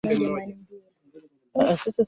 mimea na wanyama wanaogunduliwa kila siku Sasa